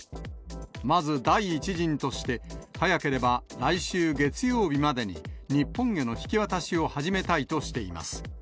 まず第１陣として、早ければ来週月曜日までに、日本への引き渡しを始めたいとしています。